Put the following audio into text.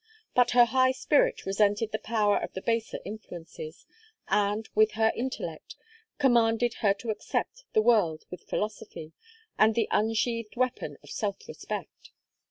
But her high spirit resented the power of the baser influences, and, with her intellect, commanded her to accept the world with philosophy and the unsheathed weapon of self respect.